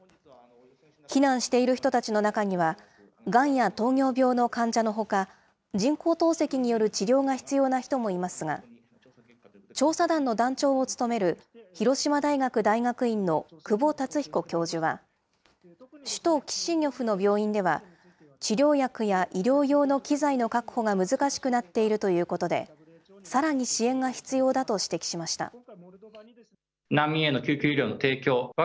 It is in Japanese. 避難している人たちの中には、がんや糖尿病の患者のほか、人工透析による治療が必要な人もいますが、調査団の団長を務める広島大学大学院の久保達彦教授は、首都キシニョフの病院では、治療薬や医療用の機材の確保が難しくなっているということで、さらに支援が必要だと指摘しました。